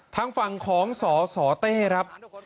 ทางฝั่งของสสเต้ครับ